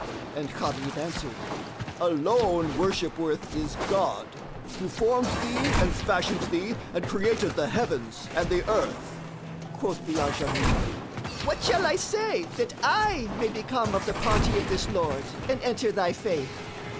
and Gharib answered, "Alone worship worth is God, who formed thee and fashioned thee and created the heavens and the earth." Quoth the Ajami, "What shall I say that I may become of the party of this Lord and enter thy Faith?"